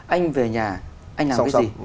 anh về nhà anh làm cái gì